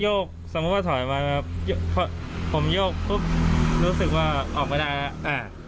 สมมุติว่าถอยมาครับผมโยกปุ๊บรู้สึกว่าออกไม่ได้แล้วอ่า